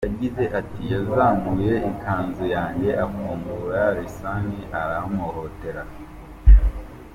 Yagize ati “Yazamuye ikanzu yanjye afungura lisani arampohohotera.